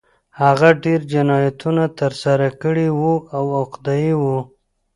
هغه ډېر جنایتونه ترسره کړي وو او عقده اي و